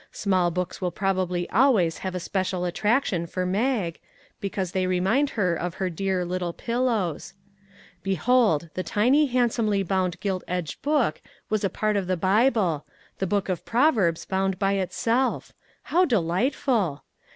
Small books will probably always have a special attraction, for Mag, be cause they remind her of her dear " Little Pil lows." Behold, the tiny, handsomely bound gilt edged book was a part of the Bible the book of Proverbs bound by itself ; how delight ful!